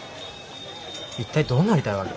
一体どうなりたいわけ？